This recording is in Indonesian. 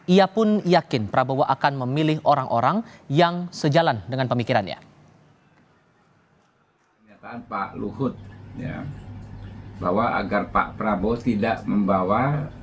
ia pun yakin prabowo akan memilih orang orang yang sejalan dengan pemikirannya